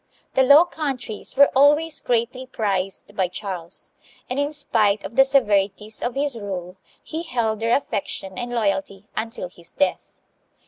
The Low Coun tries were always greatly prized by Charles, and in spite of the severities of his rule he held their affection and loyalty until his death.